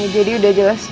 jadi udah jelas